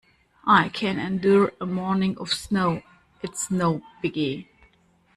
I can endure a morning of snow, it's no biggie.